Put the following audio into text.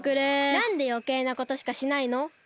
なんでよけいなことしかしないの？